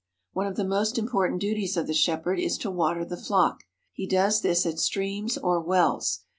One of the most important duties of the shepherd is to water the flock. He does this at streams or wells.